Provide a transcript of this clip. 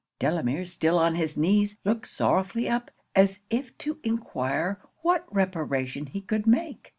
'Delamere, still on his knees, looked sorrowfully up, as if to enquire what reparation he could make?